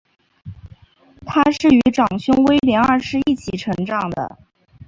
她是与长兄威廉二世一起成长的。